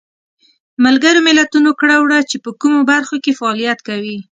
ملګرو ملتونو کړه وړه چې په کومو برخو کې فعالیت کوي.